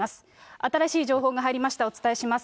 新しい情報が入りましたら、お伝えします。